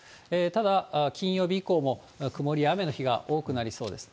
ただ、金曜日以降も曇りや雨の日が多くなりそうです。